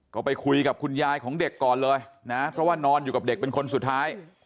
ก็ไปคุยกับคุณยายของเด็กก่อนเลยนะเพราะว่านอนอยู่กับเด็กเป็นคนสุดท้าย